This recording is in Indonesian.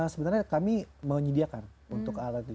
sebenarnya kami mau menyediakan untuk alat itu